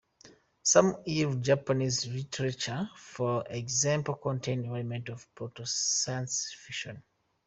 Some early Japanese literature, for example, contain elements of proto-science fiction.